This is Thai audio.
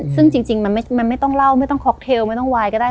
ซึ่งจริงมันไม่ต้องเล่าไม่ต้องค็อกเทลไม่ต้องวายก็ได้